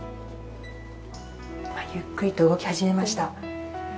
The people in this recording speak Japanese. ゆっくりと動き始めました。